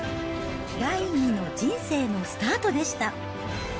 第２の人生のスタートでした。